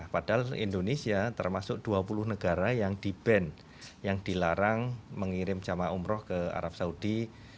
padahal indonesia termasuk dua puluh negara yang di ban yang dilarang mengirim jamaah umroh ke arab saudi